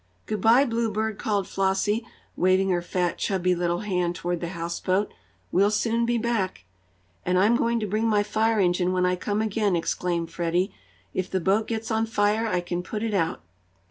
"Good bye, Bluebird!" called Flossie, waving her fat, chubby, little hand toward the houseboat. "We'll soon be back." "And I'm going to bring my fire engine, when I come again," exclaimed Freddie. "If the boat gets on fire I can put it out."